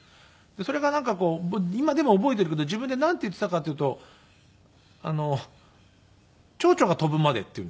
それがなんかこう今でも覚えているけど自分でなんて言っていたかっていうと「チョウチョが飛ぶまで」って言うんですよね。